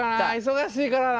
忙しいからな。